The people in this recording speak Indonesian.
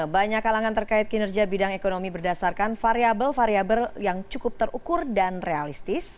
banyak kalangan terkait kinerja bidang ekonomi berdasarkan variable variable yang cukup terukur dan realistis